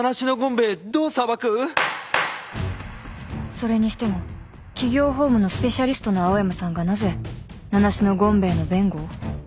それにしても企業法務のスペシャリストの青山さんがなぜ名無しの権兵衛の弁護を？